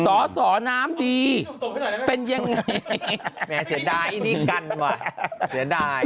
สอสอน้ำดีเป็นยังไงแม่เสียดายไอ้นี่กันว่ะเสียดาย